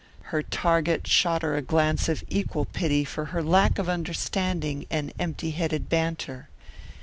Her target shot her a glance of equal pity for her lack of understanding and empty headed banter.